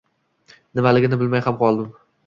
Nimaligini bilmay ham qoldim...